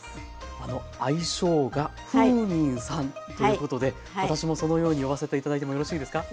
あの愛称がふーみんさんということで私もそのように呼ばせて頂いてもよろしいですか？